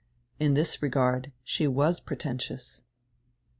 In diis regard she was pretentious.